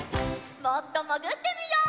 もっともぐってみよう！